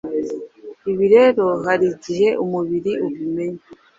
Ibi rero hari igihe umubiri ubimenyera